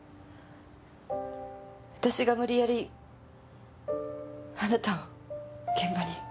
私が無理やりあなたを現場に。